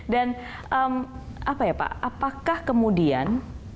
dan apa ya pak apakah kemudian